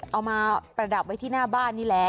ประดับไว้ที่หน้าบ้านนี่แหละ